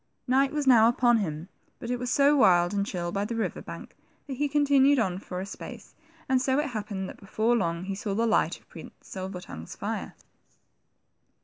Night was now upon him, but it was so wild and chill by the river bank, that he continued on for a space, and so it happened that before long he saw the light of Prince Silver tongue's fire.